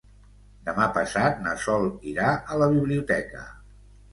Demà passat na Sol irà a la biblioteca.